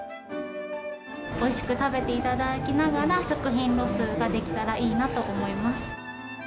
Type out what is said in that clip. おいしく食べていただきながら、食品ロスができたらいいなと思います。